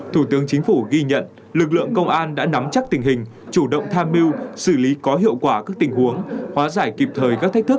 thủ tướng chính phủ ghi nhận lực lượng công an đã nắm chắc tình hình chủ động tham mưu xử lý có hiệu quả các tình huống hóa giải kịp thời các thách thức